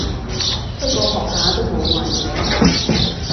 不過學下都冇壞嘅